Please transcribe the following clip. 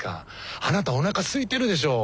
あなたおなかすいてるでしょう。